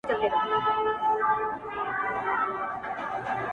يوه ورځ يو هلک پوښتنه کوي,